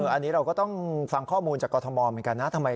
อันนี้เราก็ต้องฟังข้อมูลจากกรทมเหมือนกันนะ